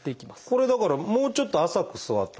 これだからもうちょっと浅く座ったほうがいい？